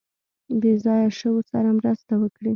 بې ځایه شویو سره مرسته وکړي.